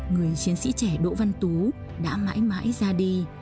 người chiến sĩ trẻ đỗ văn tú đã mãi mãi ra đi